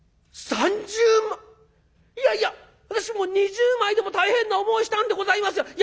「３０まいやいや私もう２０枚でも大変な思いしたんでございますよ！